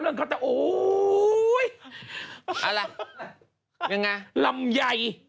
เออไม่เห็นเป็นอะไรเลย